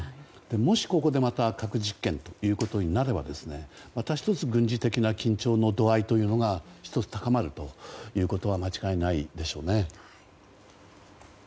もしここで核実験となればまた１つ軍事的な強調の度合いというのが１つ高まるということは間違いないでしょうね。